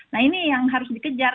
nah ini yang harus dikejar